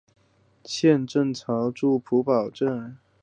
县政府驻普保镇。